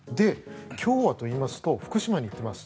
今日はといいますと福島に行きます。